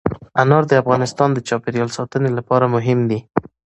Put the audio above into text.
انار د افغانستان د چاپیریال ساتنې لپاره مهم دي.